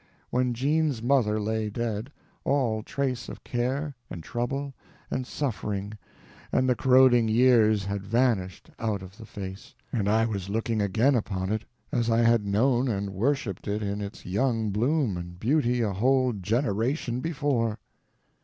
When Jean's mother lay dead, all trace of care, and trouble, and suffering, and the corroding years had vanished out of the face, and I was looking again upon it as I had known and worshiped it in its young bloom and beauty a whole generation before.